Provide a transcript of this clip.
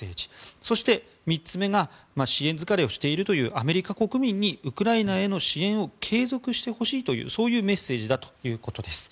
そして３つ目が支援疲れをしているというアメリカ国民にウクライナへの支援を継続してほしいというそういうメッセージだということです。